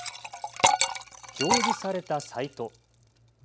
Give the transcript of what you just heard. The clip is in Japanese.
表示されたサイト。